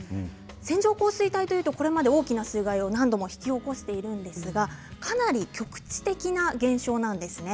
線状降水帯というと、これまで大きな水害を引き起こしているんですがかなり局地的な現象なんですね。